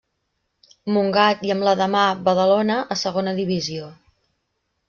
Montgat i amb l'Ademar Badalona a Segona divisió.